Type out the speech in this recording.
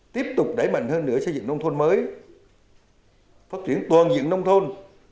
tiếp tục đẩy mạnh hơn nữa xây dựng nông thôn mới phát triển toàn diện nông thôn